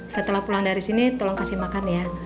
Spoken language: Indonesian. setelah pulang dari sini tolong kasih makan ya